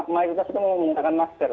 mayoritas itu menggunakan masker